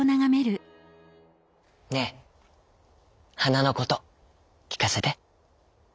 「ねえはなのこときかせて」。